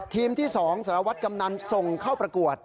ทีมที่สองสวัสดิ์กำนันส่งเข้าประกวด